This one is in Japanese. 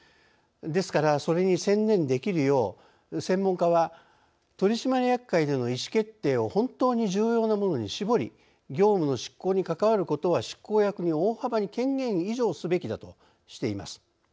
ですから、それに専念できるよう専門家は取締役会での意思決定を本当に重要なものに絞り業務の執行に関わることは執行役に大幅に権限移譲すべきだとしています。